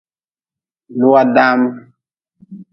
Lua daam.